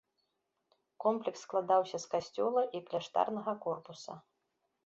Комплекс складаўся з касцёла і кляштарнага корпуса.